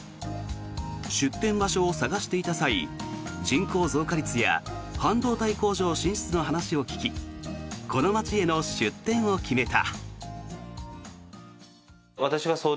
出店場所を探していた際人口増加率や半導体工場進出の話を聞きこの町への出店を決めた。